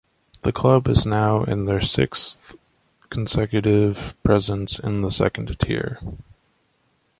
The club is now in their sixth consecutive presence in the second tier.